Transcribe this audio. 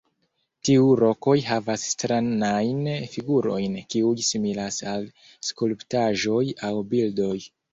Tiu rokoj havas stranajn figurojn kiuj similas al skulptaĵoj aŭ bildoj.